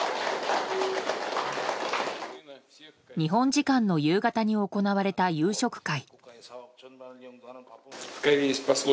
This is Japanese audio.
日本時間の夕方に行われた夕食会。